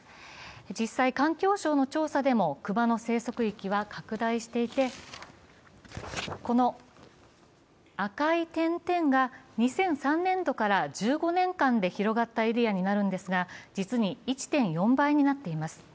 実際、環境省の調査でも熊の生息域は拡大していて、この赤い点々が２００３年度から１５年間で広がったエリアになるんですが実に１．４倍になっています。